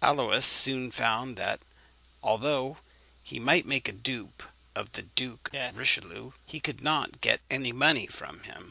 Aluys soon found that, although he might make a dupe of the Duke de Richelieu, he could not get any money from him.